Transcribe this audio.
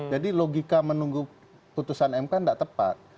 jadi logika menunggu putusan mk tidak tepat